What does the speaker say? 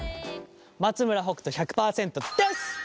松村北斗１００％です！